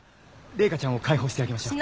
麗華ちゃんを解放してあげましょう。